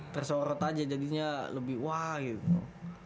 tersorot aja jadinya lebih wah gitu